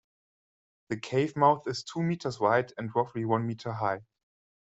The cave mouth is two metres wide and roughly one metre high.